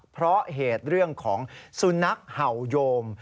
เพราะเหตุเรื่องของสุนัขเห่าโยม